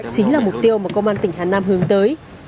chính là mục tiêu mà công an tỉnh hà nam hướng tới